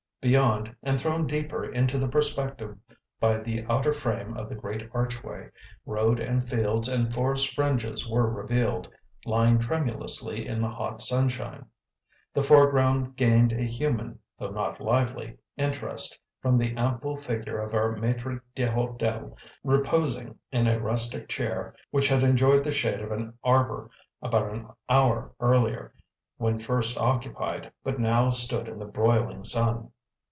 Beyond, and thrown deeper into the perspective by the outer frame of the great archway, road and fields and forest fringes were revealed, lying tremulously in the hot sunshine. The foreground gained a human (though not lively) interest from the ample figure of our maitre d'hotel reposing in a rustic chair which had enjoyed the shade of an arbour about an hour earlier, when first occupied, but now stood in the broiling sun.